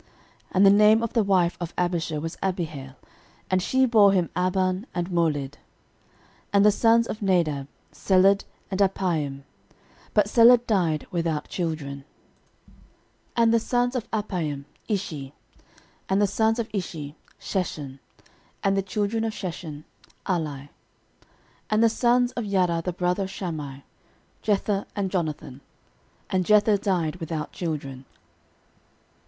13:002:029 And the name of the wife of Abishur was Abihail, and she bare him Ahban, and Molid. 13:002:030 And the sons of Nadab; Seled, and Appaim: but Seled died without children. 13:002:031 And the sons of Appaim; Ishi. And the sons of Ishi; Sheshan. And the children of Sheshan; Ahlai. 13:002:032 And the sons of Jada the brother of Shammai; Jether, and Jonathan: and Jether died without children.